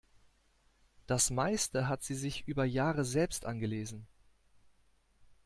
Das meiste hat sie sich über Jahre selbst angelesen.